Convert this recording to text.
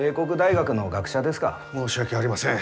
申し訳ありません。